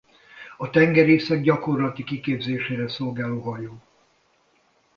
A tengerészek gyakorlati kiképzésére szolgáló hajó.